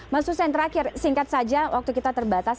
mas hussein terakhir singkat saja waktu kita terbatas